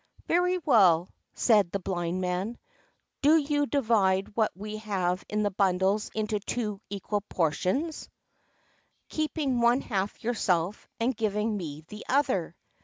"Very well," said the Blind Man; "do you divide what we have in the bundles into two equal portions, keeping one half yourself and giving me the other."